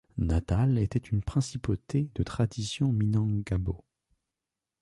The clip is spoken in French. Natal était une principauté de tradition minangkabau.